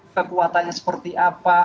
kekuatannya seperti apa